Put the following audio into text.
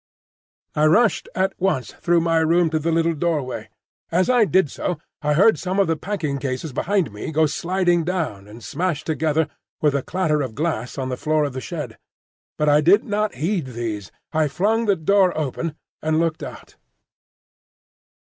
I rushed at once through my room to the little doorway. As I did so I heard some of the packing cases behind me go sliding down and smash together with a clatter of glass on the floor of the shed. But I did not heed these. I flung the door open and looked out.